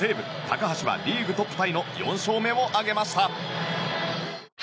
高橋は、リーグトップタイの４勝目を挙げました！